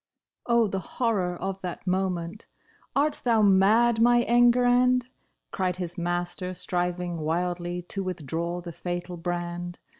Oh, the horror of that moment !" Art thou mad my Enguerrand }" Cried his master, striving wildly to withdraw the fatal brand.